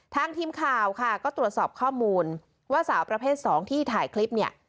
ทีมข่าวค่ะก็ตรวจสอบข้อมูลว่าสาวประเภท๒ที่ถ่ายคลิปเนี่ย